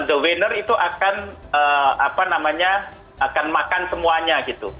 the winner itu akan makan semuanya gitu